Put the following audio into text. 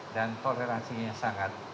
dan toleransinya sangat